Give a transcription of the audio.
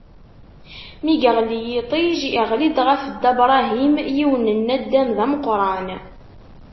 Mi yeɣli yiṭij, iɣli-d ɣef Dda Bṛahim yiwen n naddam d ameqran.